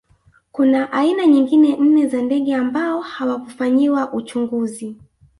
Kuna aina nyingine nne za ndege ambao hawakufanyiwa uchunguzi